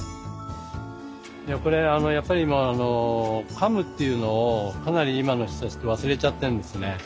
これやっぱりかむっていうのをかなり今の人たちって忘れちゃってんですね。